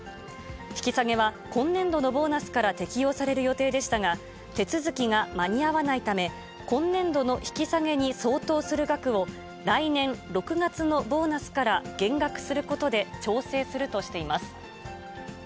引き下げは今年度のボーナスから適用される予定でしたが、手続きが間に合わないため、今年度の引き下げに相当する額を、来年６月のボーナスから減額することで調整するとしています。